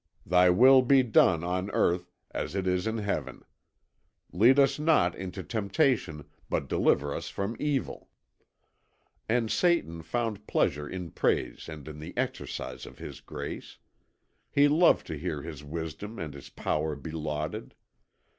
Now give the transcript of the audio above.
Thy will be done on Earth, as it is in Heaven. Lead us not into temptation, but deliver us from evil." And Satan found pleasure in praise and in the exercise of his grace; he loved to hear his wisdom and his power belauded.